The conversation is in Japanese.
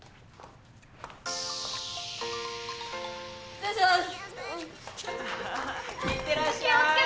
失礼します。